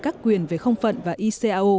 các quyền về không phận và icao